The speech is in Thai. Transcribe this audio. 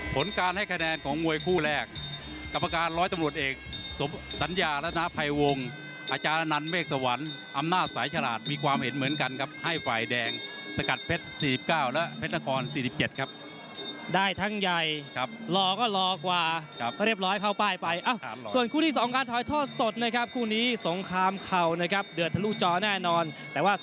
ผลการให้คะแนนของมวยคู่แรกกรรมการร้อยตำรวจเอกสมสัญญารัฐนาภัยวงอาจารย์อนันต์เมฆสวรรค์อำนาจสายฉลาดมีความเห็นเหมือนกันครับให้ฝ่ายแดงสกัดเพชร๔๙และเพชรนคร๔๗ครับได้ทั้งใหญ่รอก็รอกว่าเรียบร้อยเข้าป้ายไปส่วนคู่ที่๒การถ่ายทอดสดนะครับคู่นี้สงครามเข่านะครับเดือดทะลุจอแน่นอนแต่ว่าส